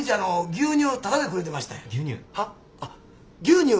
牛乳。